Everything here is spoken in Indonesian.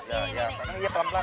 ya ya pelan pelan